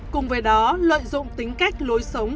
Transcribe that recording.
cùng với đó lợi dụng tính cách lối sống